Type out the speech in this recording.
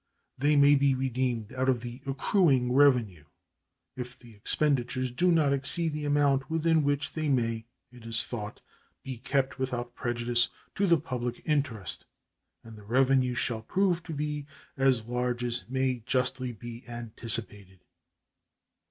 They may be redeemed out of the accruing revenue if the expenditures do not exceed the amount within which they may, it is thought, be kept without prejudice to the public interest, and the revenue shall prove to be as large as may justly be anticipated.